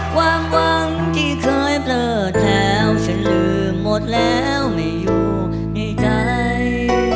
ความหวังที่เคยเบลอแถวฉันลืมหมดแล้วไม่อยู่ในใจ